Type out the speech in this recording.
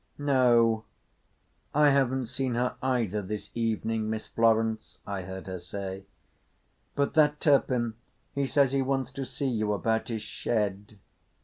"No, I haven't seen her either this evening, Miss Florence," I heard her say, "but that Turpin he says he wants to see you about his shed."